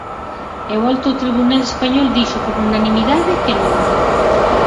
E o alto tribunal español dixo, por unanimidade, que non.